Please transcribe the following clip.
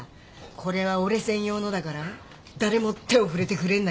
「これは俺専用のだから誰も手を触れてくれんなよ」みたいな。